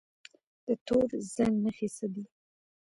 د تور زنګ نښې څه دي؟